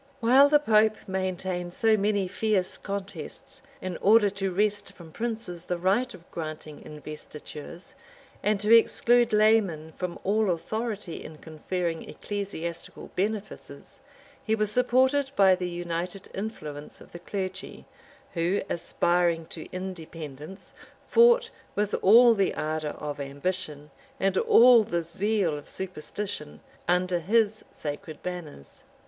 While the pope maintained so many fierce contests, in order to wrest from princes the right of granting investitures, and to exclude laymen from all authority in conferring ecclesiastical benefices, he was supported by the united influence of the clergy; who, aspiring to independence, fought, with all the ardor of ambition, and all the zeal of superstition, under his sacred banners.